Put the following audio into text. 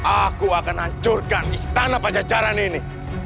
aku akan hancurkan istana pajajaran ini